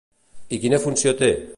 I quina funció té?